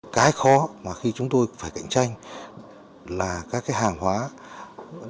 cái khó mà khi chúng tôi phải cạnh tranh là các hàng hóa nhập về việt nam